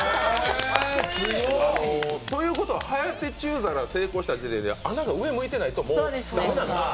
ということは、はやて中皿成功した時点で穴が上向いてないともう駄目なんですか？